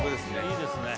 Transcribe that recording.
いいですね